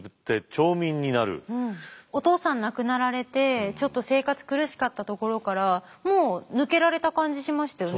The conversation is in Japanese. お父さん亡くなられてちょっと生活苦しかったところからもう抜けられた感じしましたよね。